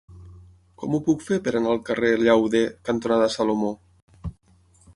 Com ho puc fer per anar al carrer Llauder cantonada Salomó?